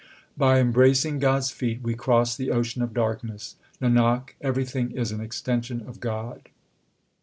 By embracing God s feet we cross the ocean of darkness ; Nanak, everything is an extension of God.